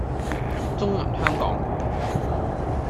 中銀香港